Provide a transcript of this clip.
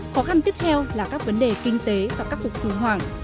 khó khăn tiếp theo là các vấn đề kinh tế và các cuộc khủng hoảng